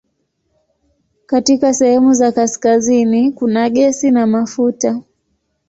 Katika sehemu za kaskazini kuna gesi na mafuta.